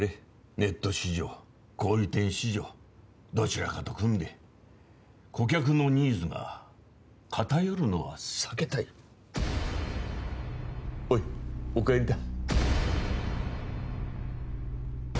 ネット市場小売店市場どちらかと組んで顧客のニーズが偏るのは避けたいオイお帰りだ